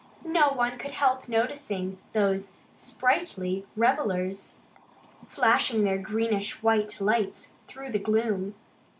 No one could help noticing those sprightly revelers, flashing their greenish white lights through the gloom.